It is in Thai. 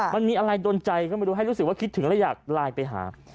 มันมีอะไรโดนใจก็ไม่รู้ให้รู้สึกว่าคิดถึงแล้วอยากไลน์ไปหา